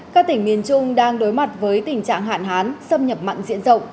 các tỉnh miền trung đang đối mặt với tình trạng hạn hán xâm nhập mặn diện rộng